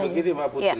jadi begini mbak putri